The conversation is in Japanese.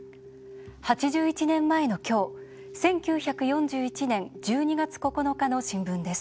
８１年前の今日１９４１年１２月９日の新聞です。